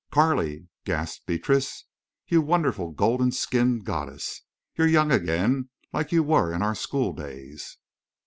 "Carley!" gasped Beatrice. "You wonderful golden skinned goddess!... You're young again, like you were in our school days."